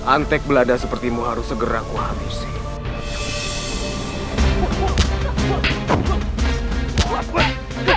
antek belada seperti mu harus segera kuhabisin